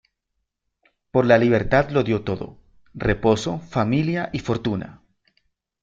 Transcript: Por la libertad, lo dio todo: reposo, familia y fortuna.